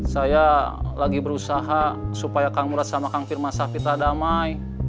saya lagi berusaha supaya kang murad sama kang pir man sah pitra damai